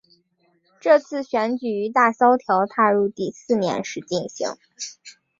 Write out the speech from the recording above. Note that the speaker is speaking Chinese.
这次选举于大萧条踏入第四年时进行。